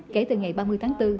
kể từ ngày ba mươi tháng bốn